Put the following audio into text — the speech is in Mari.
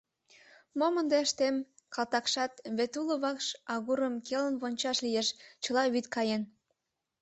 Мом ынде ыштем, калтакшат, вет уло вакш агурым келын вончаш лиеш, чыла вӱд каен.